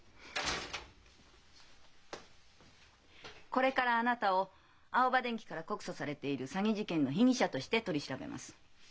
これからあなたをアオバ電器から告訴されている詐欺事件の被疑者として取り調べます。